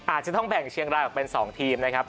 อาจจะต้องแบ่งเชียงรายออกเป็น๒ทีมนะครับ